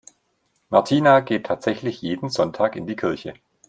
Martina geht tatsächlich jeden Sonntag in die Kirche.